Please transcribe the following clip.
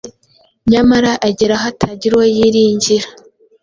nyamara agera aho atagira uwo yiringira.